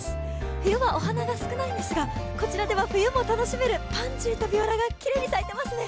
冬はお花が少ないんですが、こちらでは冬も楽しめるパンジーとビオラがきれいに咲いていますね。